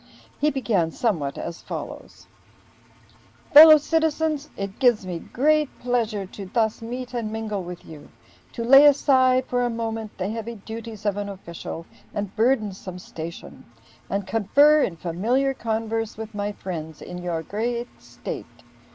He began somewhat as follows: "Fellow citizens: It gives me great pleasure to thus meet and mingle with you, to lay aside for a moment the heavy duties of an official and burdensome station, and confer in familiar converse with my friends in your great state.